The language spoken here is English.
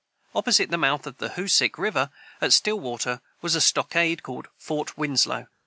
Opposite the mouth of the Hoosick river, at Stillwater, was a stockade, called Fort Winslow.